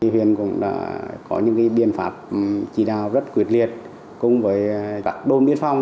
huyện cũng có những biên pháp chỉ đào rất quyệt liệt cùng với các đô miên phong